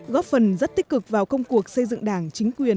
góp phần rất tích cực vào công ty